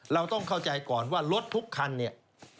เราต้องเข้าใจก่อนว่ารถทุกคันเนี่ย